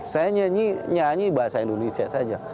saya nyanyi bahasa indonesia saja